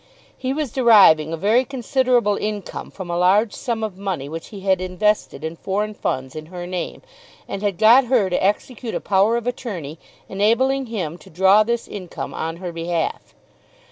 He was deriving a very considerable income from a large sum of money which he had invested in foreign funds in her name, and had got her to execute a power of attorney enabling him to draw this income on her behalf.